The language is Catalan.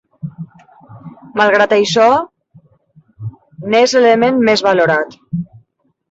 Malgrat això, n'és l'element més valorat.